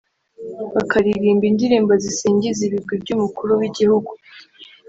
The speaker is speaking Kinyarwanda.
bakaririmba indirimbo zisingiza ibigwi by’Umukuru w’Igihugu